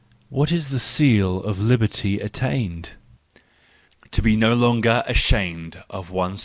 What is the Seal of Liberty Attained? —To be no longer ashamed of oneself.